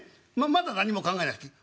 まだ何も考えなくていい。